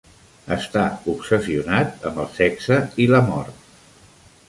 Està obsessionat amb el sexe i la mort.